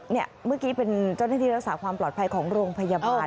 เมื่อกี้เป็นเจ้าหน้าที่รักษาความปลอดภัยของโรงพยาบาล